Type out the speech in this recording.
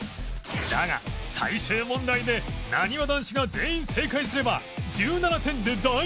だが最終問題でなにわ男子が全員正解すれば１７点で大逆転！